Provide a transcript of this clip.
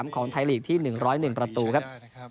ของไทยลีกที่๑๐๑ประตูครับ